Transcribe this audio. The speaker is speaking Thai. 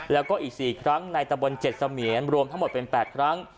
แล้วก็อีก๔ครั้งในตะบน๗เสมียนรวมทั้งหมดเป็น๘ครั้ง